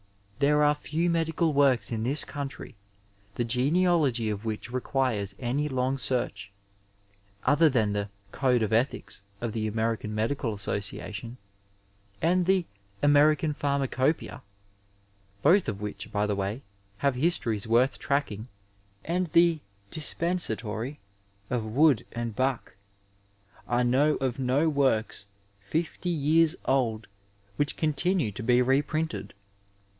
There are few medical w(H>ks in this countiy the genealogy of which requires any long search. Other than the " Code of Ethics " of the American Medical Asaocia tion and the '^ American Pharmacopeia," both of which, by the way, have histories worth tracking, and the " Dis 312 Digitized by VjOOQIC MEDICAL BIBLIOGRAPHY peDsatoiy" of Wood and Bache, I know of no works fifty years old which continue to be reprinted.